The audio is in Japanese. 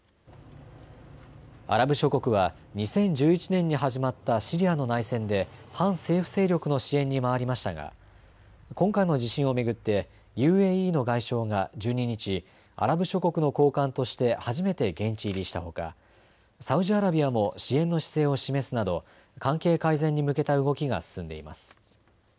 アラブ諸国は２０１１年に始まったシリアの内戦で反政府勢力の支援に回りましたが今回の地震を巡ってＵＡＥの外相が１２日、アラブ諸国の高官として初めて現地入りしたほかサウジアラビアも支援の姿勢を示すなど関係改善に向けた動きが進んでいます。